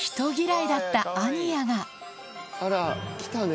あら来たね。